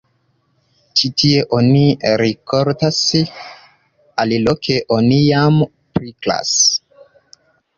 Ĉi tie oni rikoltas, aliloke oni jam priklas.